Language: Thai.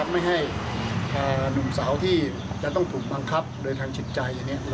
ไม่ให้หนุ่มสาวที่จะต้องถูกบังคับโดยทางจิตใจ